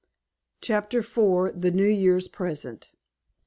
CHAPTER IV. THE NEW YEAR'S PRESENT.